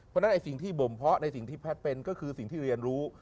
เพราะฉะนั้นไอ้สิ่งที่บ่มเพาะในสิ่งที่แพทย์เป็นก็คือสิ่งที่เรียนรู้